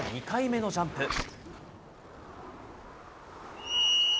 ２回目のジャンプ。